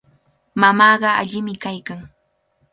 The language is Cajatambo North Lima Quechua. Mamaaqa allimi kaykan.